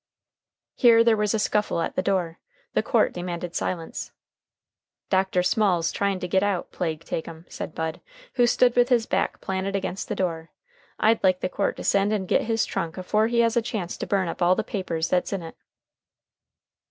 Here there was a scuffle at the door. The court demanded silence. "Dr. Small's trying to git out, plague take him," said Bud, who stood with his back planted against the door. "I'd like the court to send and git his trunk afore he has a chance to burn up all the papers that's in it."